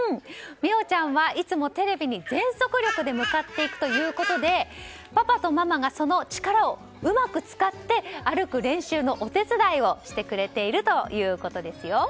澪ちゃんは、いつもテレビに全速力で向かっていくということでパパとママがその力をうまく使って歩く練習のお手伝いをしてくれているということですよ。